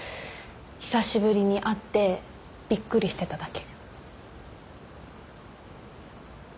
久しぶりに会ってびっくりしてただけ。